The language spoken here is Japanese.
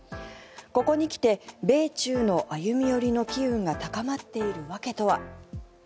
ここに来て米中の歩み寄りの機運が高まっている訳とは。